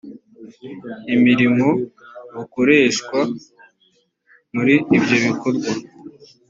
imirimo bukoreshwa muri ibyo bikorwa